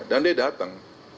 dan dia datang